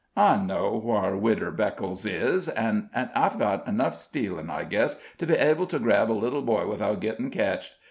"I know whar Wider Beckel's is, an' an' I've done enough stealin', I guess, to be able to grab a little boy without gittin' ketched.